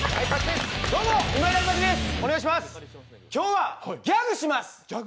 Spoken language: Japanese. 今日はギャグします！